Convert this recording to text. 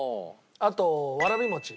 あとわらび餅。